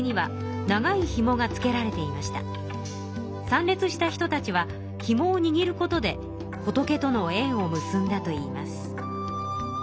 参列した人たちはひもをにぎることで仏とのえんを結んだといいます。